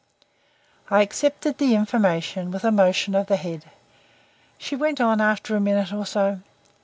I accepted the information with a motion of the head. She went on after a minute or so.